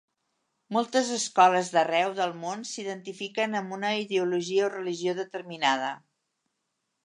Moltes escoles d'arreu del món s'identifiquen amb una ideologia o religió determinada.